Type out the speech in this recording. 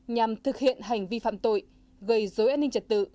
nhằm thực hiện hành vi phạm tội gây dối an ninh trật tự